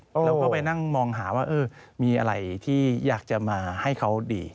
เราก็ไปนั่งมองหาว่ามีอะไรที่อยากจะมาให้เขาดี